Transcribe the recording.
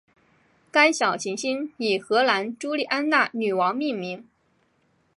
该小行星以荷兰朱丽安娜女王命名。